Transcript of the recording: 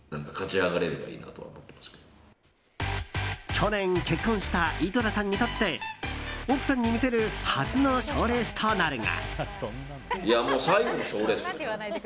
去年結婚した井戸田さんにとって奥さんに見せる初の賞レースとなるが。